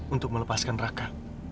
untuk melepaskan raka